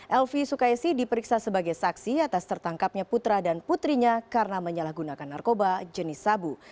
elvi sukaisi diperiksa sebagai saksi atas tertangkapnya putra dan putrinya karena menyalahgunakan narkoba jenis sabu